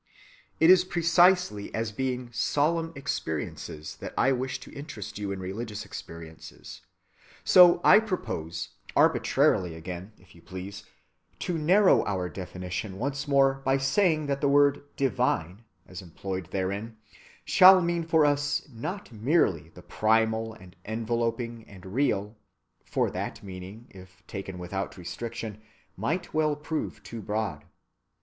It is precisely as being solemn experiences that I wish to interest you in religious experiences. So I propose—arbitrarily again, if you please—to narrow our definition once more by saying that the word "divine," as employed therein, shall mean for us not merely the primal and enveloping and real, for that meaning if taken without restriction might well prove too broad.